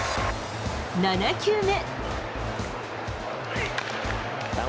７球目。